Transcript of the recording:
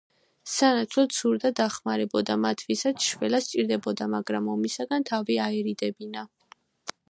სანაცვლოდ სურდა, დახმარებოდა მათ, ვისაც შველა სჭირდებოდა, მაგრამ ომისგან თავი აერიდებინა.